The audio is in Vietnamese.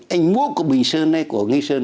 anh mua của bình sơn hay của nghi sơn